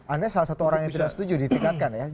anda salah satu orang yang tidak setuju ditingkatkan ya